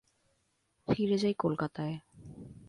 ফিরে যাই কলকাতায়।